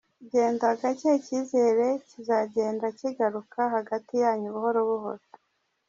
Genda gacye icyizere kizagenda kigaruka hagati yanyu buhoro buhoro.